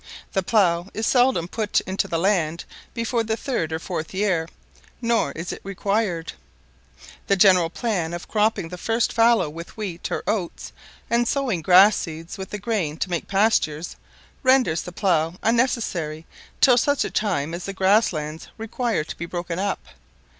The plough is seldom put into the land before the third or fourth year, nor is it required; the general plan of cropping the first fallow with wheat or oats, and sowing grass seeds with the grain to make pastures, renders the plough unnecessary till such time as the grass lands require to be broken up.